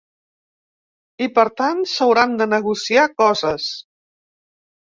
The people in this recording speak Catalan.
I, per tant, s’hauran de negociar coses.